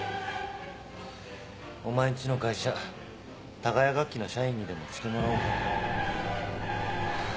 お前んちの会社多賀谷楽器の社員にでもしてもらおうかな。